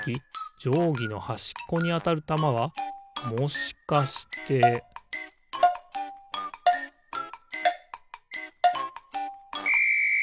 じょうぎのはしっこにあたるたまはもしかしてピッ！